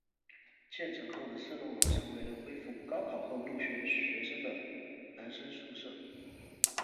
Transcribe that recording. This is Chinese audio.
建成后的四栋楼成为了恢复高考后入学学生的男生宿舍。